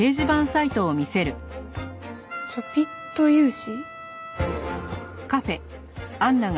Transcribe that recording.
「ちょぴっと融資」？